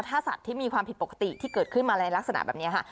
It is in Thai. ถ้าสัตว์ที่มีความผิดปกติที่เกิดขึ้นมาในลักษณะแบบนี้ค่ะ